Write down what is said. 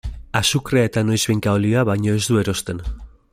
Azukrea eta noizbehinka olioa baino ez du erosten.